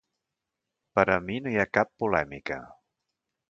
Per a mi no hi ha cap polèmica.